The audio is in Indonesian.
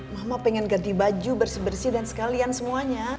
mama pengen ganti baju bersih bersih dan sekalian semuanya